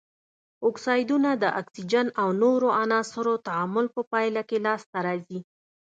اکسایدونه د اکسیجن او نورو عناصرو تعامل په پایله کې لاس ته راځي.